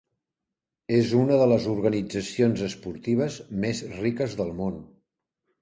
És una de les organitzacions esportives més riques del món.